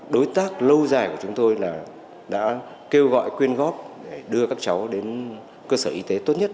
đối tác lâu dài của chúng tôi là đã kêu gọi quyên góp để đưa các cháu đến cơ sở y tế tốt nhất